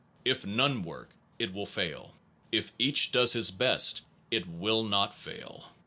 If none work, it will fail. If each does his best, it will not fail.